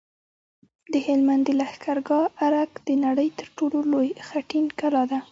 د هلمند د لښکرګاه ارک د نړۍ تر ټولو لوی خټین کلا ده